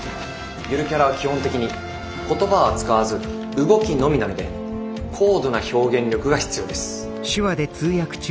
ゆるキャラは基本的に言葉は使わず動きのみなので高度な表現力が必要です。